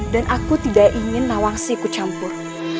dan aku tidak ingin nawangsi ikut campur